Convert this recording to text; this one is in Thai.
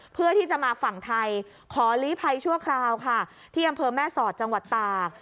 เพื่อที่จะมาฝั่งไทยขอลีภัยชั่วคราวค่ะที่อำเภอแม่สอดจังหวัดตาก